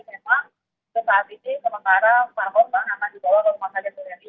memang untuk saat ini sementara para korban akan dibawa ke rumah sakit polri